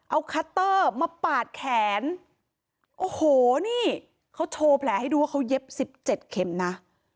เอาคัตเตอร์มาปาดแขนโอ้โหนี่เขาโชว์แผลให้ดูว่าเขาเย็บสิบเจ็ดเข็มนะ